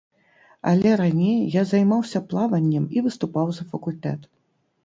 Але раней я займаўся плаваннем і выступаў за факультэт.